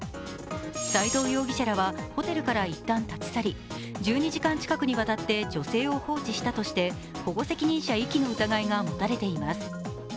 斉藤容疑者らはホテルから一旦立ち去り１２時間近くにわたって女性を放置したとして保護責任者遺棄の疑いが持たれています。